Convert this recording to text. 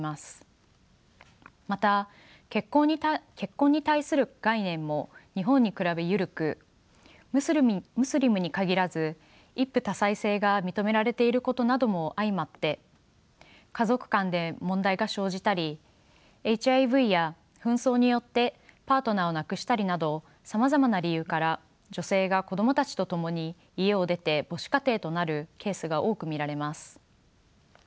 また結婚に対する概念も日本に比べ緩くムスリムに限らず一夫多妻制が認められていることなども相まって家族間で問題が生じたりＨＩＶや紛争によってパートナーを亡くしたりなどさまざまな理由から女性が子供たちと共に家を出て母子家庭となるケースが多く見られます。